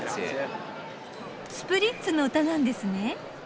スプリッツの歌なんですね？